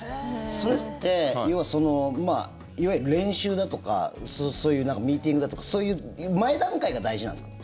それって、要はいわゆる練習だとかそういうミーティングだとかそういう前段階が大事なんですか？